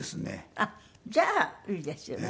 あっじゃあいいですよね。